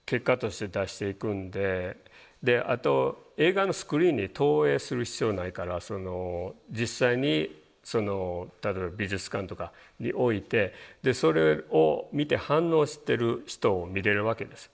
あと映画のスクリーンに投影する必要ないから実際に例えば美術館とかに置いてそれを見て反応してる人を見れるわけです。